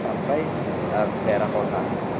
sampai daerah kota